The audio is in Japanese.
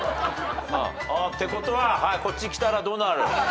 ってことはこっち来たらどうなる？